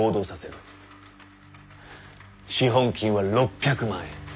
資本金は６００万円。